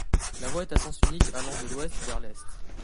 La voie est à sens unique allant de l'ouest vers l'est.